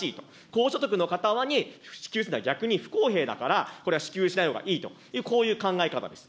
高所得の方は支給するのは、逆に不公平だから、これは支給しないほうがいいという、こういう考え方です。